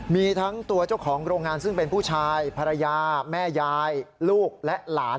มีทั้งตัวเจ้าของโรงงานซึ่งเป็นผู้ชายภรรยาแม่ยายลูกและหลาน